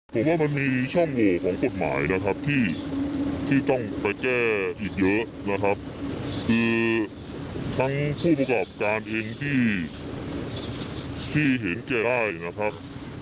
ผมว่ามันมีช่องโหวของกฎหมายนะครับที่ต้องไปเจออีกเยอะนะครับคือทั้งผู้ประกอบการเองที่เห็นเจอได้นะครับ